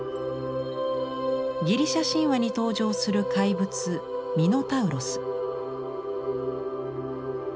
ギリシャ神話に登場する怪物ミノタウロス。